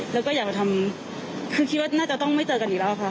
แล้วก็อยากจะทำคือคิดว่าน่าจะต้องไม่เจอกันอีกแล้วค่ะ